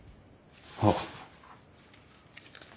あっ。